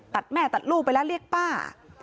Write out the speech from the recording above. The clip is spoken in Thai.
ตัดแม่ตัดลูกไปแล้วเรียกป้า